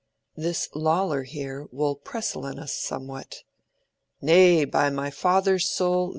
"This Loller here wol precilen us somewhat." "Nay by my father's soule!